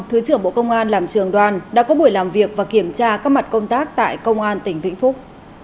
thứ trưởng bộ công an làm trường đoàn đã có buổi làm việc và kiểm tra các mặt công tác tại công an tỉnh vĩnh phúc